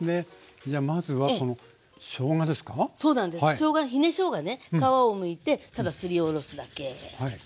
しょうがひねしょうがね皮をむいてただすりおろすだけ。